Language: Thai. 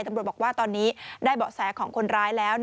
ตำรวจบอกว่าตอนนี้ได้เบาะแสของคนร้ายแล้ว